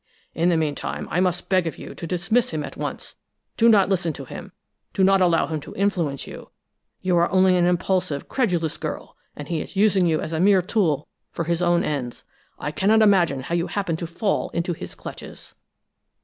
In the meantime, I must beg of you to dismiss him at once. Do not listen to him, do not allow him to influence you! You are only an impulsive, credulous girl, and he is using you as a mere tool for his own ends. I cannot imagine how you happened to fall into his clutches."